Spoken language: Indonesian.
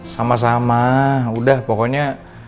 sama sama udah pokoknya